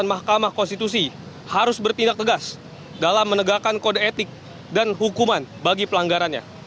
mahkamah konstitusi harus bertindak tegas dalam menegakkan kode etik dan hukuman bagi pelanggarannya